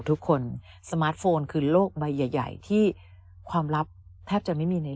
ทุกคนสมาร์ทโฟนคือโลกใบใหญ่ที่ความลับแทบจะไม่มีใน